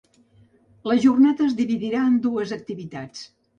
La jornada es dividirà en dues activitats.